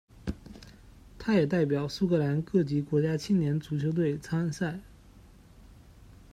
他也代表苏格兰各级国家青年足球队参赛。